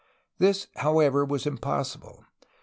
This, however, was impossible.